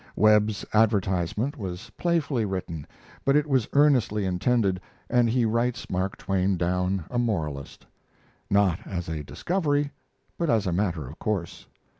Webb's "advertisement" was playfully written, but it was earnestly intended, and he writes Mark Twain down a moralist not as a discovery, but as a matter of course.